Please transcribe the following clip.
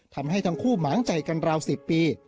ทำให้ทั้งคู่หมางใจกันราว๑๐ปี